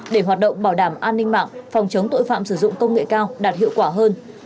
để hoạt động bảo đảm an ninh mạng phòng chống tội phạm sử dụng công nghệ cao đạt hiệu quả hơn